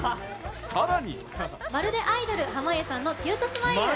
さらに。